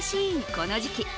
この時期。